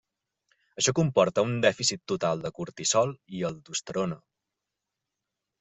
Això comporta un dèficit total de cortisol i aldosterona.